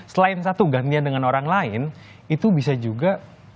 selain satu gantian dengan orang lain itu bisa juga